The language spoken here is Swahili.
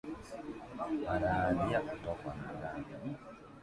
Maradhi ya kutokwa na damu